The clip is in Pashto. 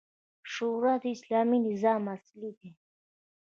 شورا د اسلامي نظام اصل دی